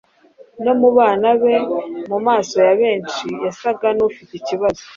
no mu bana be. Mu maso ya benshi yasaga n’ufite ikibazo